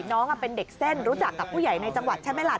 น้องเป็นเด็กเส้นรู้จักกับผู้ใหญ่ในจังหวัดใช่ไหมล่ะ